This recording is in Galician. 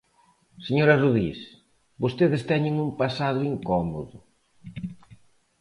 Señora Rodís, vostedes teñen un pasado incómodo.